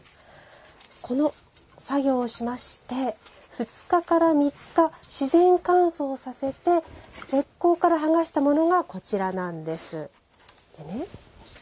この作業をしまして２日から３日自然乾燥させて石こうから剥がしたものがこちらなんです。